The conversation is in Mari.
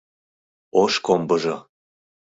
Ош комбыжо